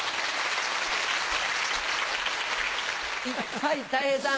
はいたい平さん。